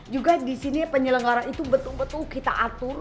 juga di sini penyelenggara itu betul betul kita atur